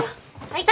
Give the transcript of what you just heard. はい。